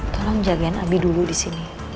tolong jagain ibu dulu disini